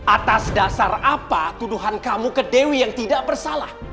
atas dasar apa tuduhan kamu ke dewi yang tidak bersalah